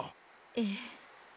ええ。